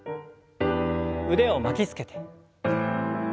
腕を巻きつけて。